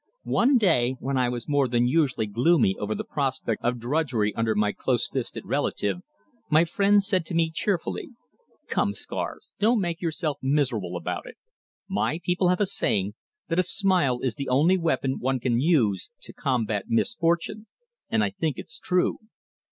One day, when I was more than usually gloomy over the prospect of drudgery under my close fisted relative, my friend said to me cheerfully: "Come, Scars, don't make yourself miserable about it. My people have a saying that a smile is the only weapon one can use to combat misfortune, and I think it's true.